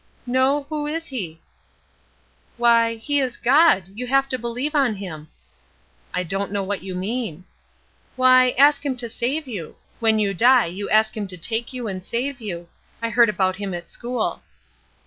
'No; who is he?' 'Why, he is God; you have to believe on him.' 'I don't know what you mean.' 'Why, ask him to save you. When you die you ask him to take you and save you. I heard about him at school.'